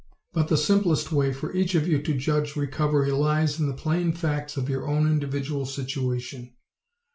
But the simplest way for each of you to judge recovery lies in the plain facts of your own individual situation.